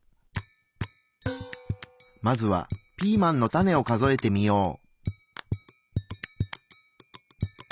まずはピーマンのタネを数えてみよう。